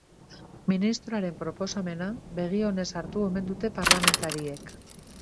Ministroaren proposamena begi onez hartu omen dute parlamentariek.